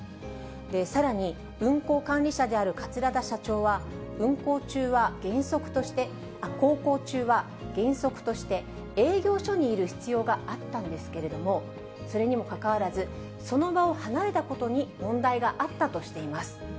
さらに、運航管理者である桂田社長は、航行中は原則として営業所にいる必要があったんですけれども、それにもかかわらず、その場を離れたことに問題があったとしています。